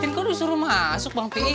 tin kok lo disuruh masuk bang pi